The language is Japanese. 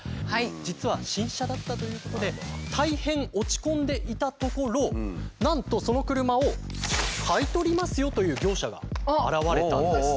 実は新車だったということで大変落ち込んでいたところなんとその車を買い取りますよという業者が現れたんです。